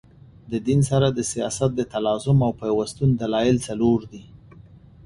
د دین سره د سیاست د تلازم او پیوستون دلایل څلور دي.